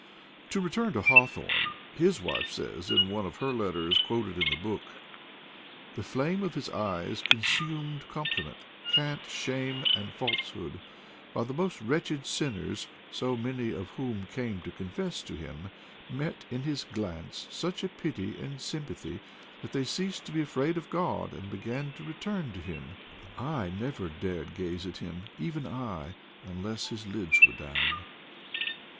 , To return to Hawthorne. His wife says in one of her letters quoted in the book: "The flame of his eyes consumed compliment, cant, sham, and falsehood; while the most wretched sinners — so many of whom came to confess to him — met in his glance such a pity and sympathy that they ceased to be afraid of God and began to return to Him. ..• I never dared gaze at him, even I, unless his lids were down."